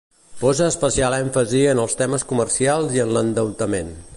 Posa especial èmfasi en els temes comercials i en l'endeutament.